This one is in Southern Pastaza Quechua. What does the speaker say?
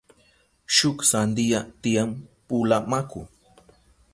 Shuk sandiya tiyan pula maku.